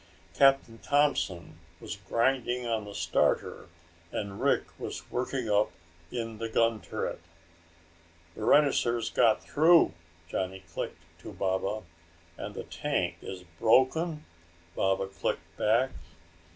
Captain Thompson was grinding on the starter and Rick was working up in the gun turret. "The rhinosaurs got through," Johnny clicked to Baba. "And the tank is broken?" Baba clicked back.